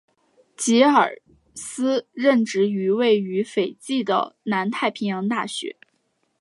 吉布斯任职于位于斐济的南太平洋大学。